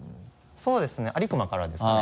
そうですね安里隈からですかね？